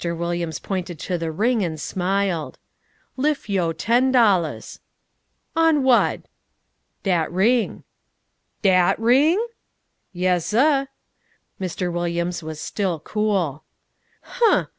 Williams pointed to the ring and smiled. "Liff yo' ten dollahs." "On whad?" "Dat ring." "Dat ring?" "Yezzah." Mr. Williams was still cool. "Huh!"